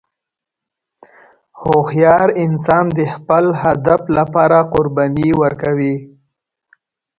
هوښیار انسان د خپل هدف لپاره قرباني ورکوي.